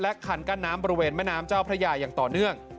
คันกั้นน้ำบริเวณแม่น้ำเจ้าพระยาอย่างต่อเนื่อง